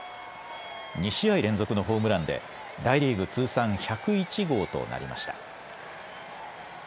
２試合連続のホームランで大リーグ通算１０１号となりました。